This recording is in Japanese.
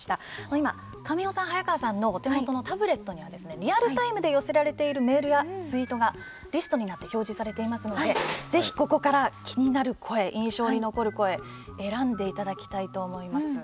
今、神尾さんと早川さんのお手元のタブレットにはリアルタイムで寄せられてくるメールやツイートがリストになって表示されていますのでぜひ、ここから気になる声を印象に残る声、選んでいただきたいと思います。